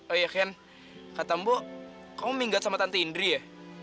oh iya kan kata mbo kamu minggat sama tante indri ya